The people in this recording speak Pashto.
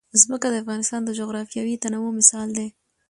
ځمکه د افغانستان د جغرافیوي تنوع مثال دی.